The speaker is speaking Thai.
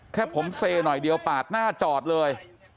แค่ผมเซหน่อยเดียวปาดหน้าจอดเลย